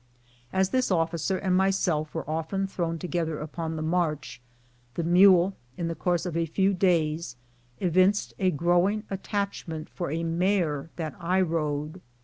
As this of&cer and myself were often thrown to gether upon the march, the mule, in the course of a few days, evinced a growing attachment for a mare that I rode.